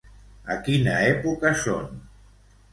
A quina època són?